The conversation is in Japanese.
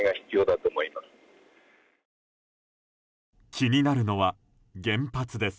気になるのは原発です。